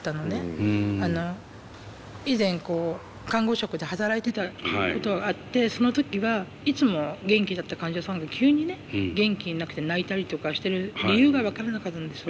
以前看護職で働いてたことがあってその時はいつも元気だった患者さんが急にね元気なくて泣いたりとかしてる理由が分からなかったんですよ。